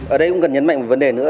ở đây cũng cần nhấn mạnh một vấn đề nữa